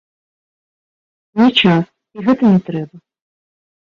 Не час, і гэта не трэба.